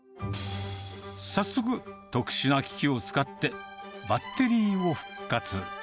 早速、特殊な機器を使って、バッテリーを復活。